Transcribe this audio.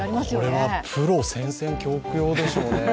これはプロ、戦々恐々でしょうね。